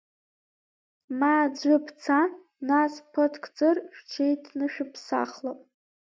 Ма аӡәы бца, нас, ԥыҭк ҵыр, шәҽеиҭнышәԥсахлап.